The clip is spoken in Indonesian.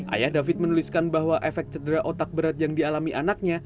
ayah david menuliskan bahwa efek cedera otak berat yang dialami anaknya